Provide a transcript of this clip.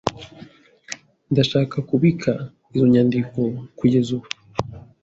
Ndashaka kubika izo nyandiko kugeza ubu.